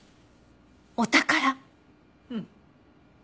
うん。